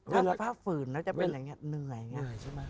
ถ้าฝากฝืนแล้วจะเป็นอย่างนี้เหนื่อยใช่ไหม